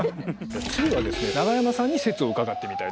次はですね永山さんに説を伺ってみたいと思います。